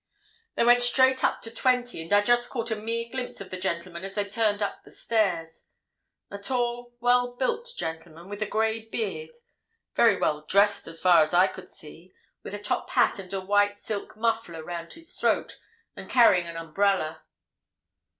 "They went straight up to 20, and I just caught a mere glimpse of the gentleman as they turned up the stairs. A tall, well built gentleman, with a grey beard, very well dressed as far as I could see, with a top hat and a white silk muffler round his throat, and carrying an umbrella."